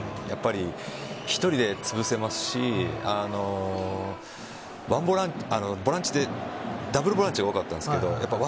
１人でつぶせますしボランチってダブルボランチが多かったんですけど１